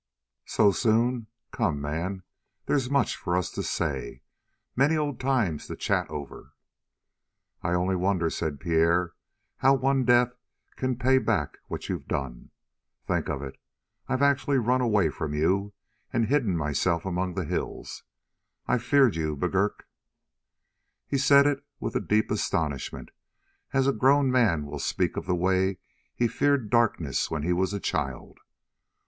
"So soon? Come, man, there's much for us to say. Many old times to chat over." "I only wonder," said Pierre, "how one death can pay back what you've done. Think of it! I've actually run away from you and hidden myself among the hills. I've feared you, McGurk!" He said it with a deep astonishment, as a grown man will speak of the way he feared darkness when he was a child.